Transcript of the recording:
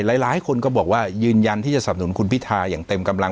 หลายคนก็บอกว่ายืนยันที่จะสับหนุนคุณพิทาอย่างเต็มกำลัง